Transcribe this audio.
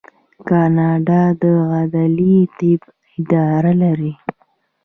کاناډا د عدلي طب اداره لري.